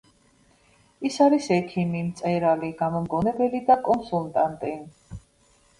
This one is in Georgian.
ის არის ექიმი, მწერალი, გამომგონებელი და კონსულტანტი.